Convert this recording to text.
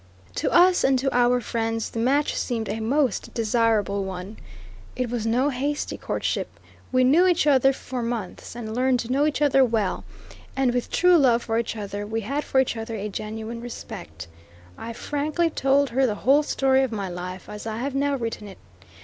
To us, and to our friends, the match seemed a most desirable one. It was no hasty courtship; we knew each other for months and learned to know each other well; and with true love for each other, we had for each other a genuine respect. I frankly told her the whole story of my life as I have now written it.